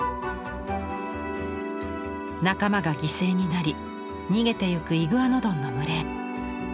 仲間が犠牲になり逃げてゆくイグアノドンの群れ。